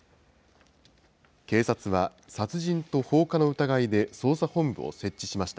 警察は、殺人と放火の疑いで捜査本部を設置しました。